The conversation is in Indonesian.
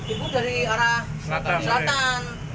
ibu dari arah selatan